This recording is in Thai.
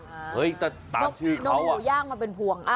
นมหมูยากมาเป็นพวง